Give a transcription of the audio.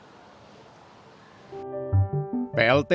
plt dirjen kesehatan masyarakat kartini rustandi dalam webinar senin pagi menyatakan